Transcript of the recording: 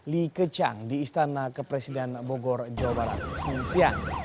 li keqiang di istana kepresiden bogor jawa barat senin siang